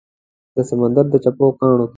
د سمندردڅپو پاڼو کې